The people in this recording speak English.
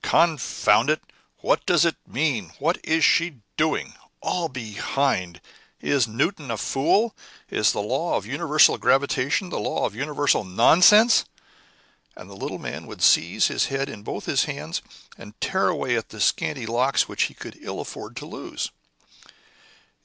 "Confound it! what does it mean? what is she doing? All behind! Is Newton a fool? Is the law of universal gravitation the law of universal nonsense?" And the little man would seize his head in both his hands, and tear away at the scanty locks which he could ill afford to lose.